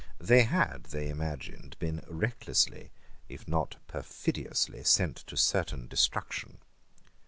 They had, they imagined, been recklessly, if not perfidiously, sent to certain destruction.